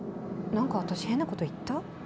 何か私変なこと言った？